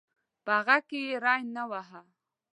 په هغه کې یې ری ونه واهه.